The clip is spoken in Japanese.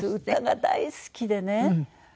歌が大好きでね。